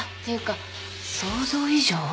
ていうか想像以上？